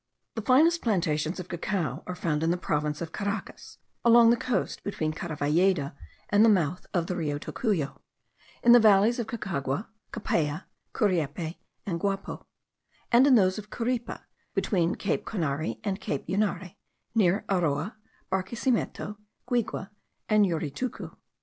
The finest plantations of cacao are found in the province of Caracas, along the coast, between Caravalleda and the mouth of the Rio Tocuyo, in the valleys of Caucagua, Capaya, Curiepe, and Guapo; and in those of Cupira, between cape Conare and cape Unare, near Aroa, Barquesimeto, Guigue, and Uritucu.